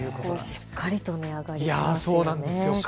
しっかりと値上がりしますね。